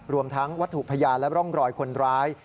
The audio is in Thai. รวมทั้งวัตถุพยานและร่องรอยคนร้าย